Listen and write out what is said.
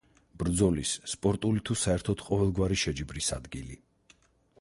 ბრძოლის, სპორტული თუ საერთოდ ყოველგვარი შეჯიბრის ადგილი.